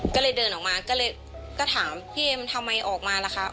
ก็เลยเดินออกมาก็เลยก็ถามพี่เอ็มทำไมออกมาล่ะคะ